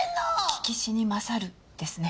聞きしに勝るですね。